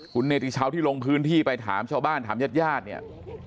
คุณเนติชาวที่ลงพื้นที่ไปถามชาวบ้านถามญาติญาติเนี่ย